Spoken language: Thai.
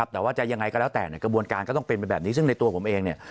แต่ว่าจะยังไงก็แล้วแต่กระบวนการก็ต้องเป็นไปแบบนี้ซึ่งในตัวผมเองเนี่ย